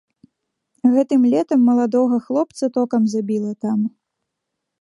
Гэтым летам маладога хлопца токам забіла там.